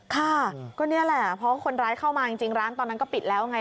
ค่ะก็นี่แหละเพราะคนร้ายเข้ามาจริงร้านตอนนั้นก็ปิดแล้วไง